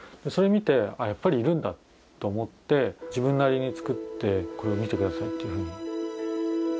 それ見て「やっぱりいるんだ」と思って自分なりに作ってこれを見てくださいっていうふうに。